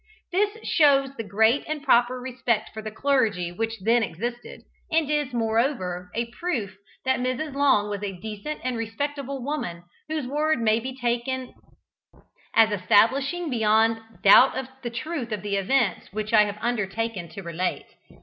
This shows the great and proper respect for the clergy which then existed, and is, moreover, a proof that Mrs. Long was a decent and respectable woman, whose word may be taken as establishing beyond doubt the truth of the events which I have undertaken to relate.